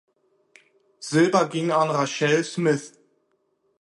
Silber ging an Rachelle Smith.